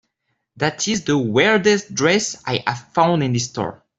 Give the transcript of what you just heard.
That is the weirdest dress I have found in this store.